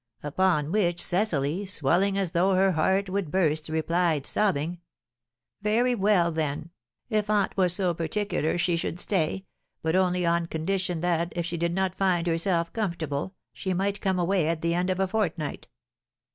Upon which Cecily, swelling as though her heart would burst, replied, sobbing, 'Very well, then, if aunt was so particular, she should stay, but only on condition that, if she did not find herself comfortable, she might come away at the end of a fortnight.'